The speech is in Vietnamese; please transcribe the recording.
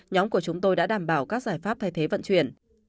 nhóm của chúng tôi đã đảm bảo các giải pháp thay thế vận chuyển